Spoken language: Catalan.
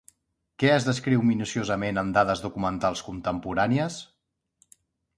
Què es descriu minuciosament en dades documentals contemporànies?